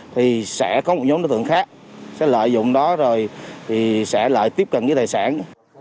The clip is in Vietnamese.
thì sẽ có một nhóm đối tượng khác sẽ lợi dụng đó rồi thì sẽ lại tiếp cận với tài sản